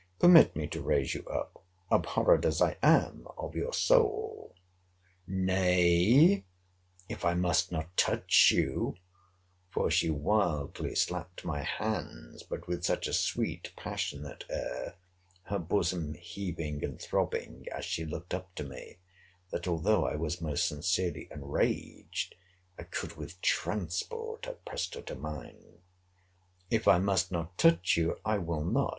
Permit me to raise you up; abhorred as I am of your soul! Nay, if I must not touch you; for she wildly slapt my hands; but with such a sweet passionate air, her bosom heaving and throbbing as she looked up to me, that although I was most sincerely enraged, I could with transport have pressed her to mine. If I must not touch you, I will not.